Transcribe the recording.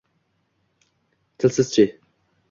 Tilsizchi?